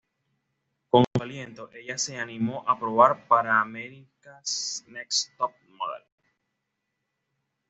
Con su aliento, ella se animó a probar para America's Next Top Model.